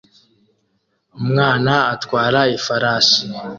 Umwana atwara ifarashi